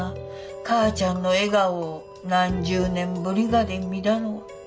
母ちゃんの笑顔を何十年ぶりかで見たのは。